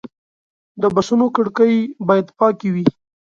د بسونو کړکۍ باید پاکې وي.